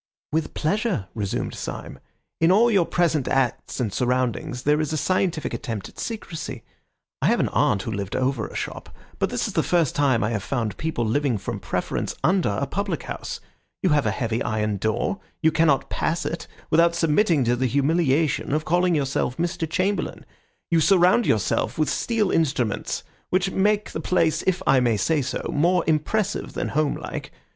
"With pleasure," resumed Syme. "In all your present acts and surroundings there is a scientific attempt at secrecy. I have an aunt who lived over a shop, but this is the first time I have found people living from preference under a public house. You have a heavy iron door. You cannot pass it without submitting to the humiliation of calling yourself Mr. Chamberlain. You surround yourself with steel instruments which make the place, if I may say so, more impressive than homelike.